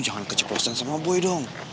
lo jangan keceprosan sama boy dong